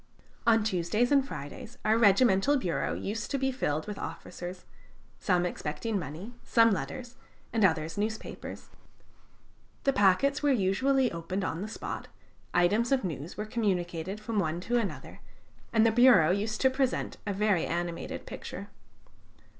On Tuesdays and Fridays our regimental bureau used to be filled with officers: some expecting money, some letters, and others newspapers. The packets were usually opened on the spot, items of news were communicated from one to another, and the bureau used to present a very animated picture.